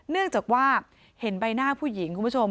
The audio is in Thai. เนื่องจากว่าเห็นใบหน้าผู้หญิงคุณผู้ชม